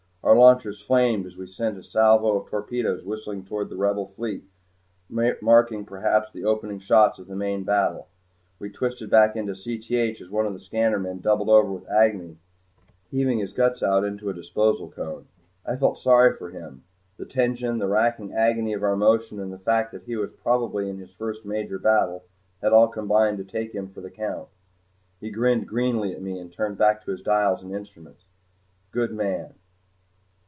Our launchers flamed as we sent a salvo of torpedoes whistling toward the Rebel fleet marking perhaps the opening shots of the main battle. We twisted back into Cth as one of the scanner men doubled over with agony, heaving his guts out into a disposal cone. I felt sorry for him. The tension, the racking agony of our motion, and the fact that he was probably in his first major battle had all combined to take him for the count. He grinned greenly at me and turned back to his dials and instruments. Good man!